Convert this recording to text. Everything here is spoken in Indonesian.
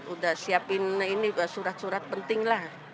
udah siapin ini ke surat surat penting lah